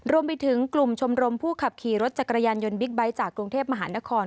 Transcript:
รวมไปถึงกลุ่มชมรมผู้ขับขี่รถจักรยานยนต์บิ๊กไบท์จากกรุงเทพมหานคร